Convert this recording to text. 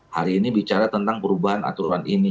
hari ini bicara tentang perubahan aturan ini